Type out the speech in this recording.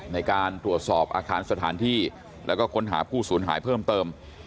ในการตรวจสอบอาคารสถานที่แล้วก็ค้นหาผู้สูญหายเพิ่มเติม